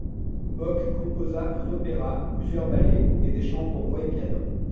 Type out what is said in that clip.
Bock composa un opéra, plusieurs ballets et des chants pour voix et piano.